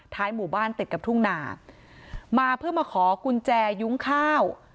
หมู่บ้านติดกับทุ่งนามาเพื่อมาขอกุญแจยุ้งข้าว